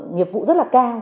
nhiệm vụ rất là cao